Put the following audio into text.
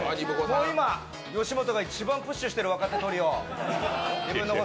今、吉本が一番プッシュしてる若手トリオニブンノゴ！